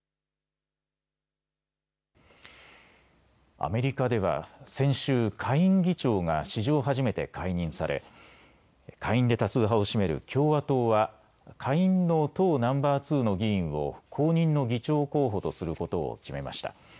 アメリカでは先週、下院議長が史上初めて解任され下院で多数派を占める共和党は下院の党ナンバー２の議員を後任の議長候補とすることを決めました。